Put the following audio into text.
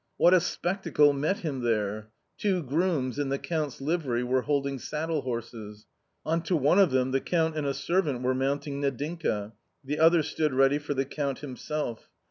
What a spectacle met him there ! Two grooms, in the Count's livery, were holding saddle horses. On to one of them the Count and a servant were mounting Nadinka ; the other stood ready for the Count himself.